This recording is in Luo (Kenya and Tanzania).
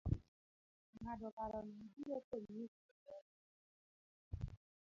ng'ado parono biro konyi e kelo ber to gi duol